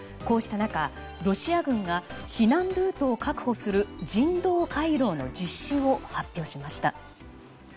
こうした中、ロシア軍が避難ルートを確保する人道回廊の実施を発表しました。